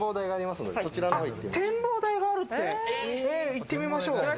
行ってみましょう。